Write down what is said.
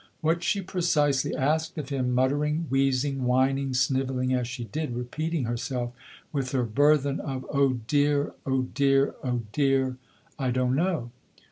What she precisely asked of him, muttering, wheezing, whining, snivelling, as she did, repeating herself with her burthen of "O dear, O dear, O dear!" I don't know.